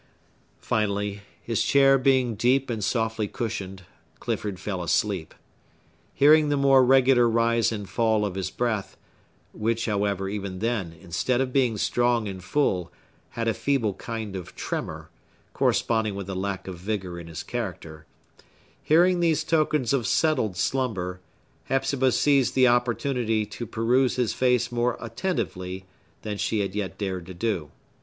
Finally, his chair being deep and softly cushioned, Clifford fell asleep. Hearing the more regular rise and fall of his breath (which, however, even then, instead of being strong and full, had a feeble kind of tremor, corresponding with the lack of vigor in his character),—hearing these tokens of settled slumber, Hepzibah seized the opportunity to peruse his face more attentively than she had yet dared to do.